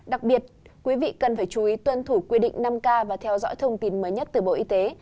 đặc biệt quý vị cần phải chú ý tuân thủ quy định năm k và theo dõi thông tin mới nhất từ bộ y tế